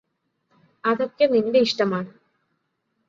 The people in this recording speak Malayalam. അതൊക്കെ നിന്റെ ഇഷ്ടമാണ്